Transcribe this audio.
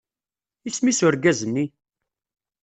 Isem-is urgaz-nni?